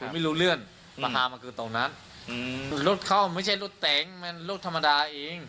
ไม่รู้เรื่องเรามาคือตรงนั้นเค้าไม่ใช่ลูกเตงธรรมดาอีก